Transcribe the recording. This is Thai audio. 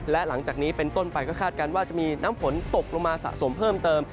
และหลังจากนี้เป็นต้นไปก็คาดการณ์ว่าจะมีน้ำฝนตกลงมาสะสมเพิ่มเติม